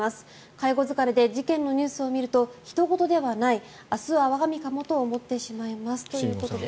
介護疲れで事件のニュースを見るとひと事ではない明日は我が身かもと思ってしまいますということです。